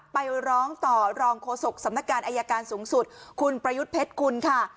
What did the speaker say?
ไปร้องต่อรองโฆษกสำนักการอายการสูงสุดคุณประยุทธ์เพชรคุณค่ะ